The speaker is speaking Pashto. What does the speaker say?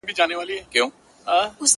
چي لاس و درېږي، خوله درېږي.